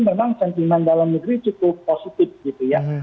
jadi memang sentimen dalam negeri cukup positif gitu ya